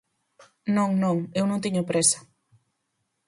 Non, non, eu non teño présa.